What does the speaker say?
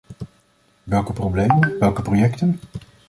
Welke problemen, welke projecten?